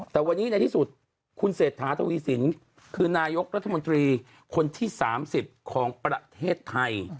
แต่วันนี้ในที่สุดคุณเศรษฐาทวีสินคือนายกรัฐมนตรีคนที่๓๐ของประเทศไทย